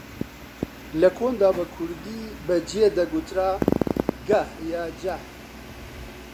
لە کۆندا بە کوردی بە جێ دەگوترا گەه یا جەه